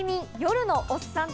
夜のおっさんず